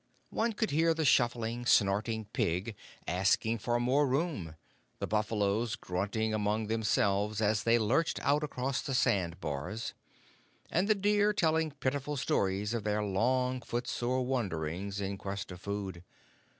One could hear the scuffling, snorting pig asking for more room; the buffaloes grunting among themselves as they lurched out across the sand bars, and the deer telling pitiful stories of their long foot sore wanderings in quest of food.